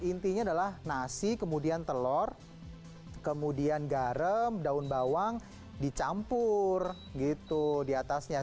intinya adalah nasi kemudian telur kemudian garam daun bawang dicampur gitu diatasnya